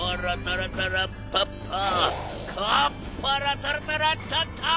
カーッパラタラタラッパッパー！